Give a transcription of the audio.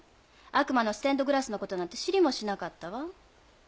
悪魔のステンドグラスのことなんて知りもしなかったわ。